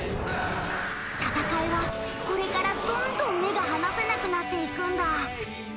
戦いはこれからどんどん目が離せなくなっていくんだ。